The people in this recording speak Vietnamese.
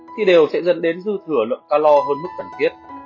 thì đều sẽ dẫn đến dư thừa lượng calor hơn mức cần thiết